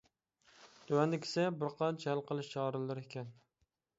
تۆۋەندىكىسى بىر قانچە ھەل قىلىش چارىلىرى ئىكەن.